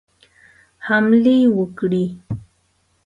حملې وکړي.